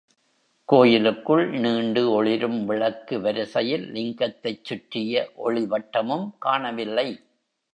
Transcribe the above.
கோயிலுக்குள் நீண்டு ஒளிரும் விளக்கு வரிசையில் லிங்கத்தைச் சுற்றிய ஒளிவட்டமும் காணவில்லை.